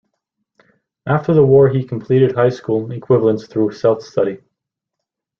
After the war he completed high-school equivalence through self-study.